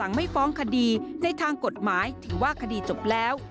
ไม่ฟ้องคดีในทางกฎหมายถือว่าคดีจบแล้ว